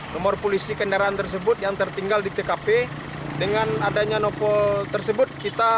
nomor polisi kendaraan tersebut yang tertinggal di tkp dengan adanya nopol tersebut